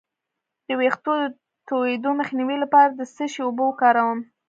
د ویښتو د تویدو مخنیوي لپاره د څه شي اوبه وکاروم؟